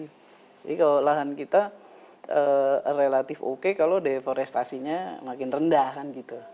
jadi kalau lahan kita relatif oke kalau deforestasinya makin rendah kan gitu